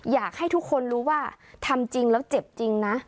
อยากให้ทุกคนรู้ว่าทำจริงแล้วเจ็บจริงนะ